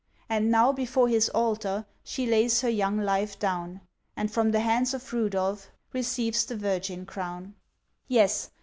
And now before His Altar, She lays her young life down, And from the hands of Rudolph Receives the virgin crown! Yes!